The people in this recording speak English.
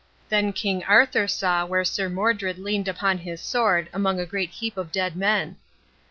Then King Arthur saw where Sir Modred leaned upon his sword among a great heap of dead men.